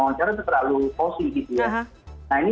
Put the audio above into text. wawancara itu terlalu posi gitu ya nah ini